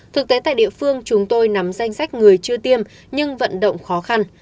thực tế tại địa phương chúng tôi nắm danh sách người chưa tiêm nhưng vận động khó khăn